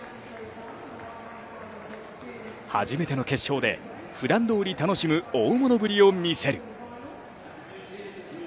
初めての決勝でふだんどおり楽しむ大物ぶりを見せる。